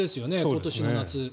今年の夏。